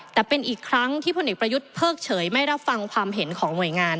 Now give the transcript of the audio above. แต่เป็นอีกครั้งที่พลเอกประยุทธ์เพิกเฉยไม่รับฟังความเห็นของหน่วยงาน